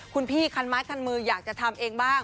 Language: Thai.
คุณพี่คันไม้คันมืออยากจะทำเองบ้าง